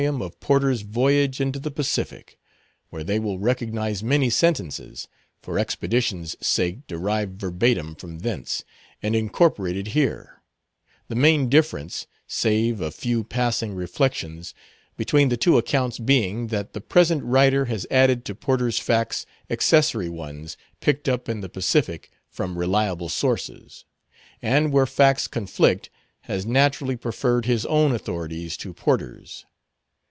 of Porter's Voyage into the Pacific, where they will recognize many sentences, for expedition's sake derived verbatim from thence, and incorporated here; the main difference—save a few passing reflections—between the two accounts being, that the present writer has added to Porter's facts accessory ones picked up in the Pacific from reliable sources; and where facts conflict, has naturally preferred his own authorities to Porter's.